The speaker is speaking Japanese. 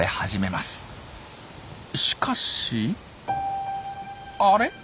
しかしあれ？